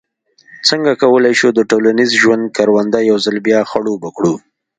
څنګه کولای شو د ټولنیز ژوند کرونده یو ځل بیا خړوبه کړو.